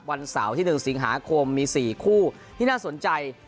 วันเสาร์ที่๑สิงหาคมมี๔คู่ที่น่าสนใจ